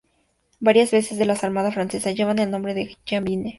Varias naves de la Armada Francesa llevan el nombre de Jean Vienne.